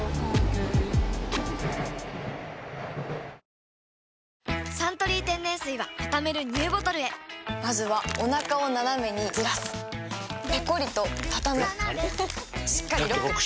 今日のお昼は「サントリー天然水」はたためるＮＥＷボトルへまずはおなかをナナメにずらすペコリ！とたたむしっかりロック！